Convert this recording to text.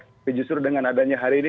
tapi justru dengan adanya hari ini